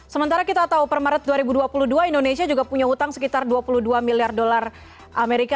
sementara kita tahu per maret dua ribu dua puluh dua indonesia juga punya hutang sekitar dua puluh dua miliar dolar amerika